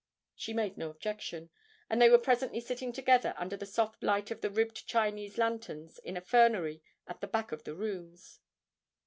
She made no objection, and they were presently sitting together under the soft light of the ribbed Chinese lanterns in a fernery at the back of the rooms.